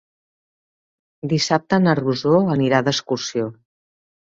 Dissabte na Rosó anirà d'excursió.